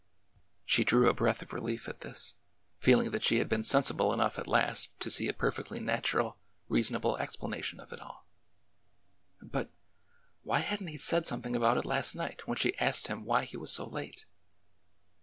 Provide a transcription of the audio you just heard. She drew a breath of relief at this, feel ing that she had been sensible enough at last to see a per fectly natural, reasonable explanation of it all. But— Why had n't he said something about it last night when she asked him why he was so late?